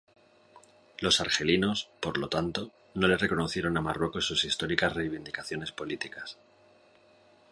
Los argelinos, por lo tanto, no le reconocieron a Marruecos sus históricas reivindicaciones políticas.